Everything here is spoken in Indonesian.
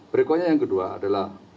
berikutnya yang kedua adalah